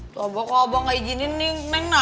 mbak kalau mbak nggak ijinin neng nangis nih